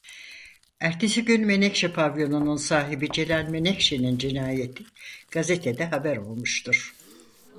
Ertesi gün Menekşe pavyonun sahibi Celal Menekşe'nin cinayeti gazetede haber olmuştur.